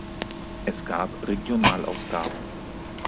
Es gab Regionalausgaben.